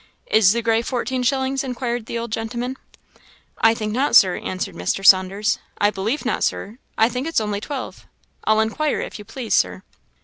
"Is the gray fourteen shillings," inquired the old gentleman. "I think not, Sir," answered Mr. Saunders "I believe not, Sir, I think it's only twelve I'll inquire, if you please, Sir."